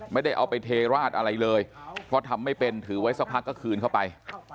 ไม่ได้เอาไปเทราดอะไรเลยเพราะทำไม่เป็นถือไว้สักพักก็คืนเข้าไป